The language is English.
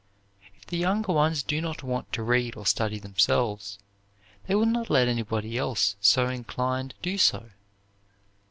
If the younger ones do not want to read or study themselves, they will not let anybody else so inclined do so.